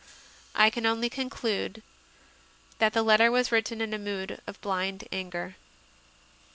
I can only conclude that the letter was written in a mood of blind anger.